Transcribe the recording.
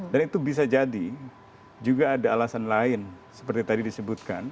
dan itu bisa jadi juga ada alasan lain seperti tadi disebutkan